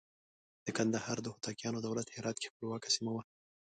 د کندهار د هوتکیانو دولت هرات کې خپلواکه سیمه وه.